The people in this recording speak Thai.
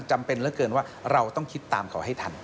จำเป็นเหลือเกินว่าเราต้องคิดตามเขาให้ทัน